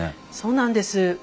そうなんです。